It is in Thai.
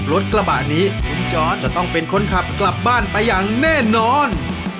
รถกระบะนี้คุณจอร์ดจะต้องเป็นคนขับกลับบ้านไปอย่างแน่นอน